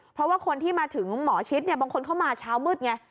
เพราะว่าคนที่มาถึงหมอชิดบางคนเข้ามาเช้ามืดไง